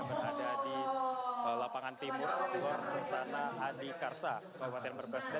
berada di lapangan timur luar selatan adikarsa kabupaten berbas